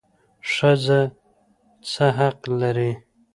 ښځه څه حق لري؟